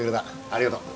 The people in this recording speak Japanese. ありがとう。